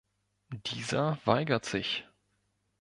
Dieser weigert sich.